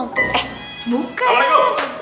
eh buka ya